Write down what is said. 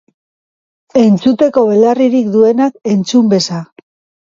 Entzuteko belarririk duenak entzun beza.